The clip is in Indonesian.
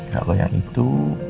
kalau yang itu